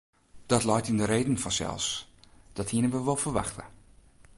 Dat leit yn de reden fansels, dat hienen we wol ferwachte.